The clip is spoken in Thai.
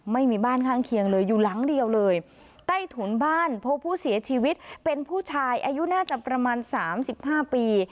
ไม่มีบ้านข้างเคียงเลยอยู่หลังเดียวเลยใต้ถุนบ้านพบผู้เสียชีวิตเป็นผู้ชายอายุน่าจะประมาณสามสิบห้าปี